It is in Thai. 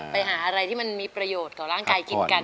ไปหาอะไรที่มันมีประโยชน์ต่อร่างกายกินกัน